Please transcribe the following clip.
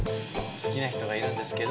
「好きな人がいるんですけど」